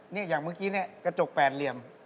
อย่างเมื่อกี้เนี่ยกระจกแปดเหลี่ยม